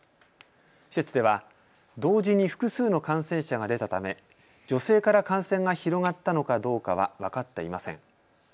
施設では同時に複数の感染者が出たため女性から感染が広がったのかどうかは分かっていません。